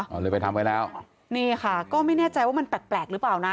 เอาเลยไปทำไว้แล้วนี่ค่ะก็ไม่แน่ใจว่ามันแปลกแปลกหรือเปล่านะ